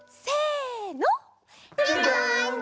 せの！